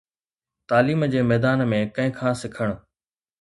تعليم جي ميدان ۾ ڪنهن کان سکڻ.